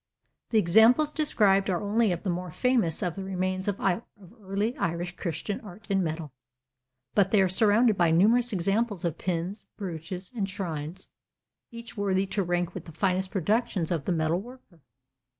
The examples described are only the more famous of the remains of early Irish Christian art in metal, but they are surrounded by numerous examples of pins, brooches, and shrines, each worthy to rank with the finest productions of the metalworker.